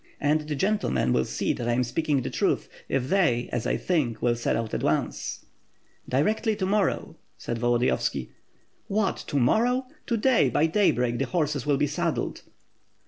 And *^the gentlemen will see that I am speaking the truth if they, as I think, will set out at once." "Directly, to morrow!" said Volodiyovski. "What, to morrow! To day, by daybreak, the horses will be saddled."